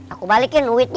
aku balikin uitnya